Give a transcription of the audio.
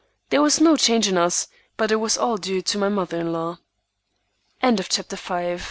There was no change in us, but it was all due to my mother in law. CHAPTER VI.